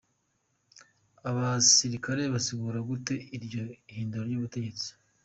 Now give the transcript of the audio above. Abasirikare basigura gute iryo hindura ry'ubutegetsi?.